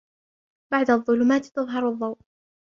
بعد الظلمات تظهر الضوء.